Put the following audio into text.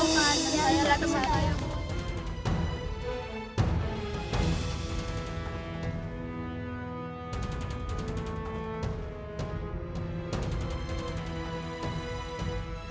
makasih ada tempatnya bu